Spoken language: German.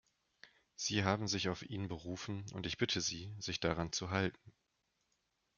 Sie haben sich auf ihn berufen und ich bitte Sie, sich daran zu halten.